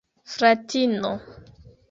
fratino